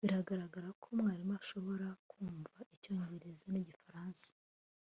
biragaragara ko mwarimu ashobora kumva icyongereza nigifaransa